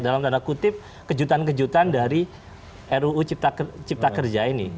contohnya kutip kejutan kejutan dari ruu cipta kerja ini